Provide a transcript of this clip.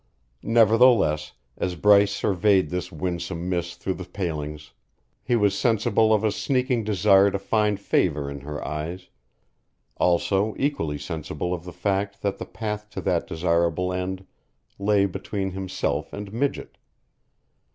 Nevertheless, as Bryce surveyed this winsome miss through the palings, he was sensible of a sneaking desire to find favour in her eyes also equally sensible of the fact that the path to that desirable end lay between himself and Midget.